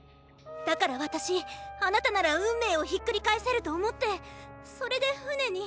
だから私あなたなら運命をひっくり返せると思ってそれで船に。